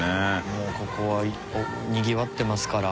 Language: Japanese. もうここはにぎわってますから。